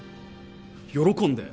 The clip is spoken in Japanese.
喜んで。